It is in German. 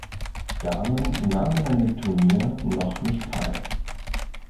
Damen nahmen an dem Turnier noch nicht teil.